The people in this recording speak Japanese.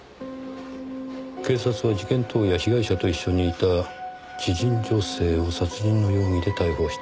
「警察は事件当夜被害者と一緒にいた知人女性を殺人の容疑で逮捕した」